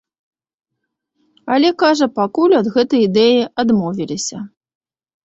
Але, кажа, пакуль ад гэтай ідэі адмовіліся.